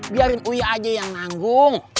biarin ui aja yang nanggung